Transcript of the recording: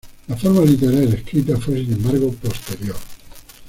La forma literaria escrita fue sin embargo posterior.